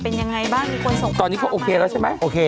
เป็นยังไงบ้างมีคนส่งตอนนี้เขาโอเคแล้วใช่ไหมโอเค